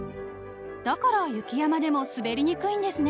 ［だから雪山でも滑りにくいんですね］